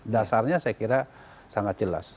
dasarnya saya kira sangat jelas